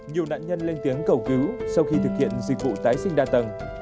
nhiều nạn nhân lên tiếng cầu cứu sau khi thực hiện dịch vụ tái sinh đa tầng